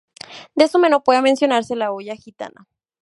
De su menú puede mencionarse la olla gitana.